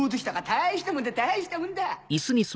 大したもんだ大したもんだ！